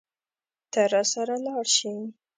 ته راسره لاړ شې.